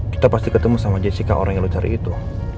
kita pasti ketemu sama jessica orang yang lu cari itu